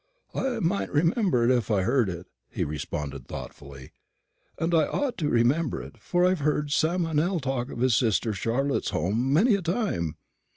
"I might remember it if I heard it," he responded thoughtfully; "and I ought to remember it, for I've heard Sam Meynell talk of his sister Charlotte's home many a time.